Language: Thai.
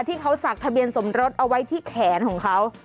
ที่เขาสักทะเบียนสมรสเอาไว้ที่แขนของเขา